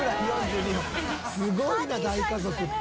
すごいな大家族って。